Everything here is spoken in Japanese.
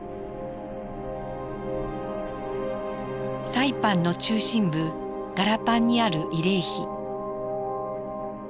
サイパンの中心部ガラパンにある慰霊碑。